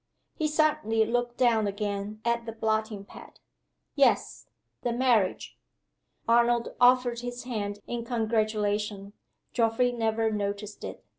He suddenly looked down again at the blotting pad. "Yes the marriage." Arnold offered his hand in congratulation. Geoffrey never noticed it.